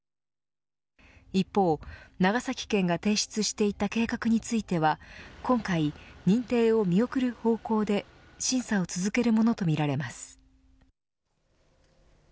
一方、長崎県が提出していた計画については今回、認定を見送る方向で審査を続けるものとみられます。